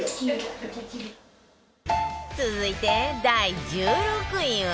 続いて第１６位は